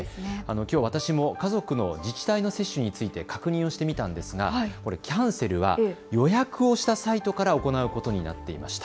きょう私も家族の自治体の接種について確認してみたんですがキャンセルは予約をしたサイトから行うことになっていました。